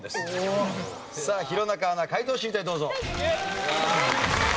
さあ弘中アナ解答シートへどうぞ。